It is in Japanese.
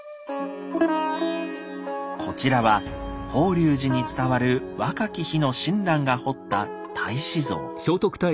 こちらは法隆寺に伝わる若き日の親鸞が彫った太子像。